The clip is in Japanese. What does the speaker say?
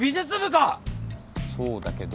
そうだけど。